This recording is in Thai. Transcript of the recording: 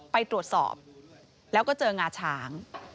ไปตรวจสอบแล้วก็เจองาช้าง